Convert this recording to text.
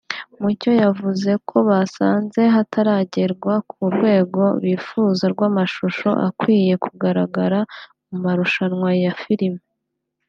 Mucyo yavuze ko basanze hataragerwa ku rwego bifuza rw’amashusho akwiye kugaragara mu marushanwa ya filimi